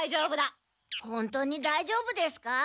本当にだいじょうぶですか？